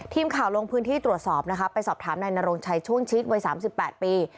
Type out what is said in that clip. ทีมข่าวลงพื้นที่ตรวจสอบนะคะไปสอบถามนายนโรงชัยช่วงชิดวัย๓๘ปี